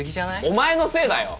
お前のせいだよ！